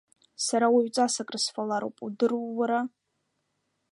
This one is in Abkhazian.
Сара уаҩҵас акрысфалароуп, удыруоу уара!